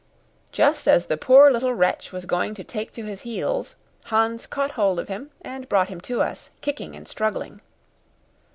Just as the poor little wretch was going to take to his heels, Hans caught hold of him, and brought him to us, kicking and struggling.